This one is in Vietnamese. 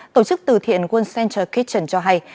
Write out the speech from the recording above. tổ chức từ thiện world center kitchen cho hay